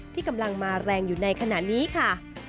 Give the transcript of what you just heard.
ที่กำลังมาแรงอยู่ในขณะนี้ค่ะ